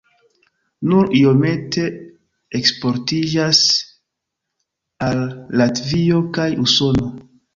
Nur iomete eksportiĝas al Latvio kaj Usono.